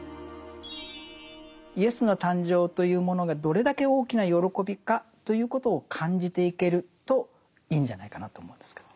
イエスの誕生というものがどれだけ大きな喜びかということを感じていけるといいんじゃないかなと思うんですけど。